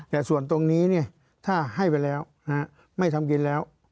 แต่ส่วนตรงนี้ถ้าให้ไปแล้วไม่ทำกินแล้ว